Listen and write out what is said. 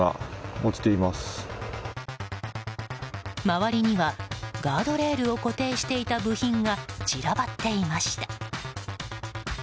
周りには、ガードレールを固定していた部品が散らばっていました。